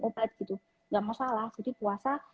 obat gitu nggak masalah jadi puasa